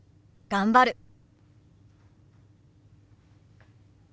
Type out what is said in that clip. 頑張る！